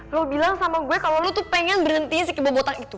lo bilang sama gue kalo lo tuh pengen berhentiin si kebobotak itu